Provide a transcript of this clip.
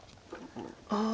ああ。